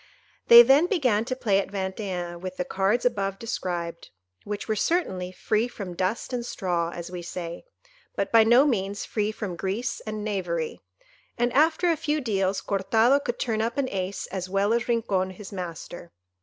They then began to play at Vingt et un with the cards above described, which were certainly "free from dust and straw," as we say, but by no means free from grease and knavery; and after a few deals, Cortado could turn up an ace as well as Rincon his master.